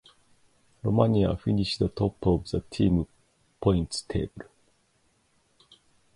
Romania finished top of the team points table.